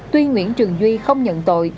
tuy nguyễn trường duy không nhận tội